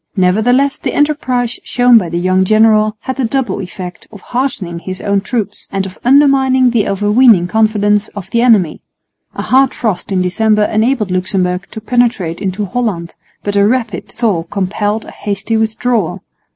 Nevertheless the enterprise shown by the young general had the double effect of heartening his own troops and of undermining the overweening confidence of the enemy. A hard frost in December enabled Luxemburg to penetrate into Holland, but a rapid thaw compelled a hasty withdrawal.